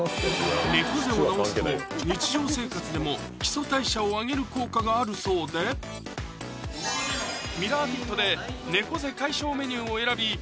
猫背を直すと日常生活でも基礎代謝を上げる効果があるそうでＭＩＲＲＯＲＦＩＴ．で猫背解消メニューを選び